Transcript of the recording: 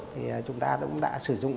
thì chúng ta cũng đã sử dụng